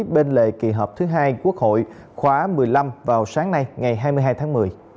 bên lề kỳ họp thứ hai quốc hội khóa một mươi năm vào sáng nay ngày hai mươi hai tháng một mươi